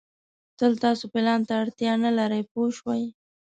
تل تاسو پلان ته اړتیا نه لرئ پوه شوې!.